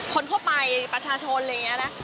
คนทั่วไปประชาชนอะไรอย่างนี้นะ